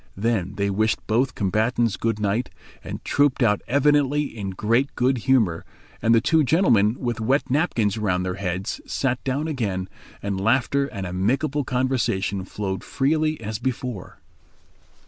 Then they wished both combatants good night, and trooped out evidently in great good humour and the two gentlemen, with wet napkins round their heads, sat down again, and laughter and amicable conversation flowed freely as before.